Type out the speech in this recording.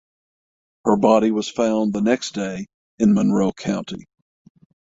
Her body was found the next day in Monroe County.